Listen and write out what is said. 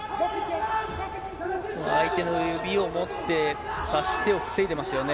相手の指を持って、差し手を防いでますよね。